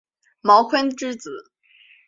茅坤之子。